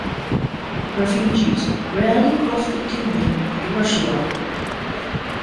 Refugees rarely cross the Tumen into Russia.